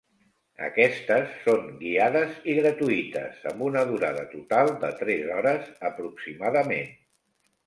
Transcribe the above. Aquestes són guiades i gratuïtes amb una durada total de tres hores, aproximadament.